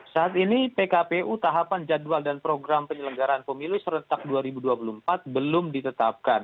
saat ini pkpu tahapan jadwal dan program penyelenggaraan pemilu serentak dua ribu dua puluh empat belum ditetapkan